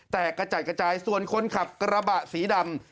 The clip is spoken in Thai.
แต่กระจ่ายส่วนคนขับกระบะสีดำ